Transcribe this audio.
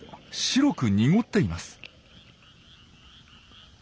白く濁っています。